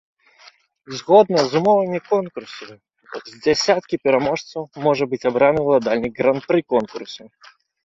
Згодна з умовамі конкурсу, з дзясяткі пераможцаў можа быць абраны уладальнік гран-пры конкурсу.